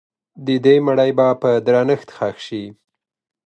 د دې مړي به په درنښت ښخ سي.